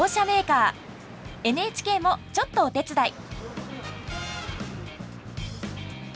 ＮＨＫもちょっとお手伝い。